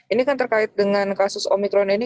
ini kan terkait dengan kasus omikron ini